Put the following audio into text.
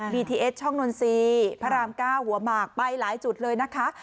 ทีเอสช่องนนทรีย์พระราม๙หัวหมากไปหลายจุดเลยนะคะ